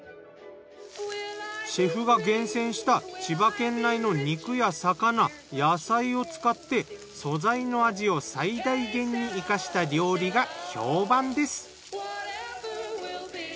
シェフが厳選した千葉県内の肉や魚野菜を使って素材の味を最大限に生かした料理が評判です。